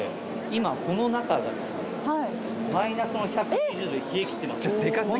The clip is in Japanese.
今この中がマイナスの１２０℃で冷え切ってます